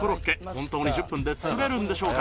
本当に１０分で作れるんでしょうか？